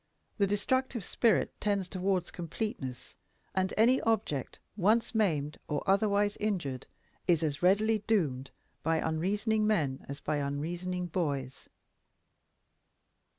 The destructive spirit tends toward completeness; and any object once maimed or otherwise injured, is as readily doomed by unreasoning men as by unreasoning boys.